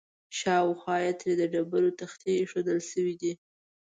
شاوخوا ترې د ډبرو تختې ایښودل شوي دي.